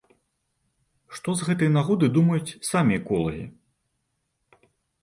Што з гэтай нагоды думаюць самі эколагі?